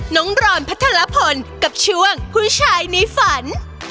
น้องรอนพัทรพลกับช่วงผู้ชายในฝัน